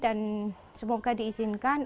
dan semoga diizinkan